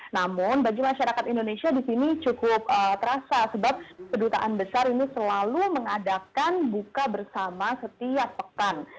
namun bagi masyarakat indonesia di sini cukup terasa sebab kedutaan besar ini selalu mengadakan buka bersama setiap pekan